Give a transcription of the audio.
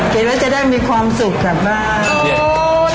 กินไว้จะได้มีความสุขกับบ้าน